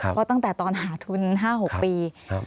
เพราะตั้งแต่ตอนหาทุน๕๖ปี